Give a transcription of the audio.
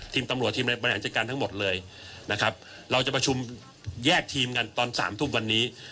ตำรวจทีมบริหารจัดการทั้งหมดเลยนะครับเราจะประชุมแยกทีมกันตอนสามทุ่มวันนี้